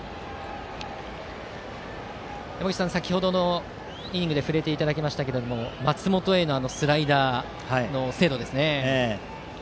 先程のイニングで触れていただきましたが松本へのスライダーの精度ですね。